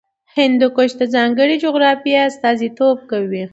هندوکش د ځانګړې جغرافیې استازیتوب کوي.